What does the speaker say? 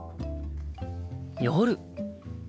夜。